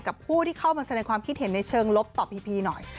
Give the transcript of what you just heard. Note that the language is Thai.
ผู้ที่เข้ามาแสดงความคิดเห็นในเชิงลบต่อพีพีหน่อย